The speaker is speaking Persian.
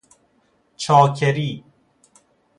چاکری